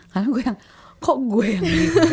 karena gue yang kok gue yang